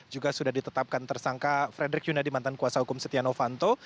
juga sudah ditetapkan tersangka frederick yunadi mantan kuasa hukum setia novanto